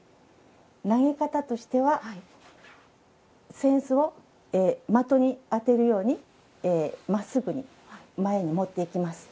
投げ方としては扇子を的に当てるようにまっすぐに、前に持っていきます。